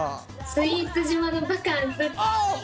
「スイーツ島のバカンス」。